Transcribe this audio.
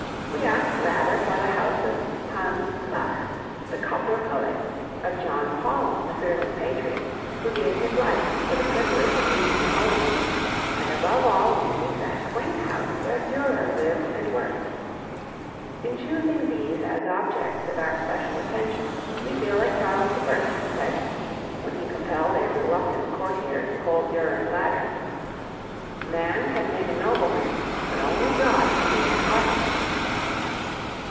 We ask rather for the house of Hans Sachs, the cobbler poet, of John Palm, the fearless patriot, who gave his life for the privilege of beating Napoleon, and above all we seek that quaint house where Durer lived and worked. In choosing these as objects of our special attention we feel like Charles I., who said, when he compelled a reluctant courtier to hold Durer's ladder, "Man can make a nobleman, but only God can make an artist."